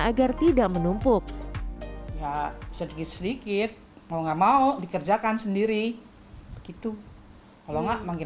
agar tidak menumpuk sedikit sedikit mau nggak mau dikerjakan sendiri gitu kalau nggak makin